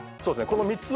この３つを。